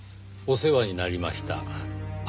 「お世話になりました。